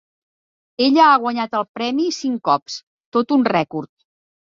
Ella ha guanyat el premi cinc cops, tot un rècord.